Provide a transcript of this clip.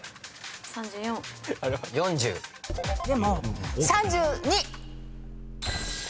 でも３２！